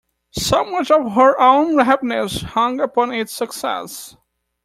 So much of her own happiness, hung upon its success.